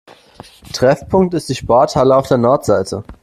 Treffpunkt ist die Sporthalle auf der Nordseite.